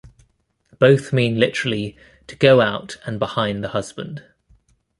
Both mean literally "to go out and behind the husband".